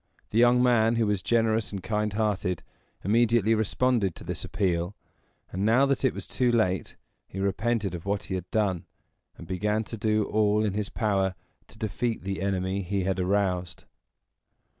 The young man, who was generous and kind hearted, immediately responded to this appeal; and, now that it was too late, he repented of what he had done, and began to do all in his power to defeat the enemy he had aroused.